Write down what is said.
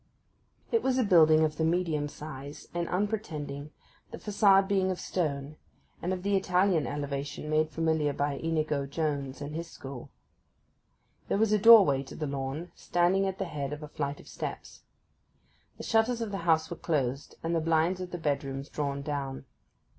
It was a building of the medium size, and unpretending, the façade being of stone; and of the Italian elevation made familiar by Inigo Jones and his school. There was a doorway to the lawn, standing at the head of a flight of steps. The shutters of the house were closed, and the blinds of the bedrooms drawn down.